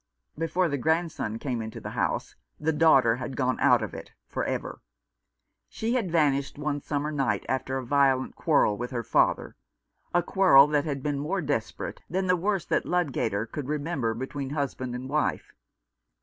Before the grandson came into the house the daughter had gone out of it for ever. She had vanished one summer night, after a violent quarrel with her father, a quarrel that had been more desperate than the worst that Ludgater could remember between husband and wife.